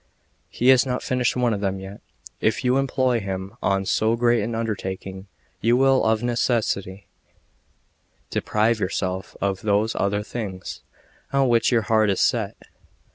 He has not finished one of them yet. If you employ him on so great an undertaking, you will, of necessity, deprive yourself of those other things on which your heart is set.